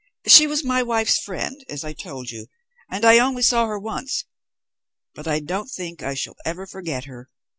She was my wife's friend, as I told you, and I only saw her once, but I don't think I shall ever forget her.